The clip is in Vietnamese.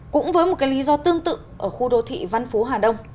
cũng với một cái lý do tương tự ở khu đô thị văn phú hà đông